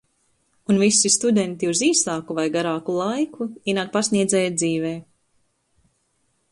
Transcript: Un visi studenti uz īsāku vai garāku laiku ienāk pasniedzēja dzīvē.